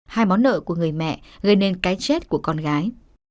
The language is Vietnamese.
hai món nợ của người mẹ gây nên cái chết của con gái